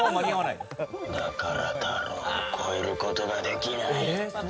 だからタロウを超えることができない。